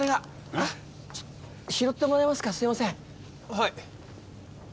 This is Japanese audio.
はい。